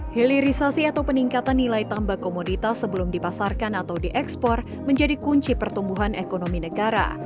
hilirisasi atau peningkatan nilai tambah komoditas sebelum dipasarkan atau diekspor menjadi kunci pertumbuhan ekonomi negara